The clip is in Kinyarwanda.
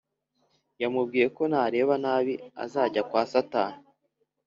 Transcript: yamubwiyeko nareba nabi azajya kwa satani